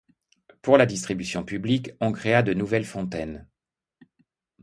Pour la distribution publique, on créa de nouvelles fontaines.